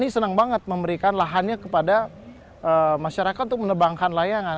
ini senang banget memberikan lahannya kepada masyarakat untuk menebangkan layangan